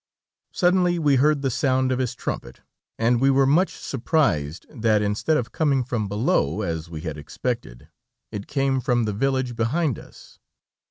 Suddenly we heard the sound of his trumpet, and we were much surprised that instead of coming from below, as we had expected, it came from the village behind us.